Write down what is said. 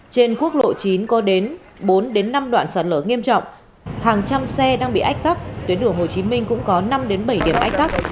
trên quốc lộ chín có đến bốn năm đoạn sạt lở nghiêm trọng hàng trăm xe đang bị ách tắc tuyến đường hồ chí minh cũng có năm bảy điểm ách tắc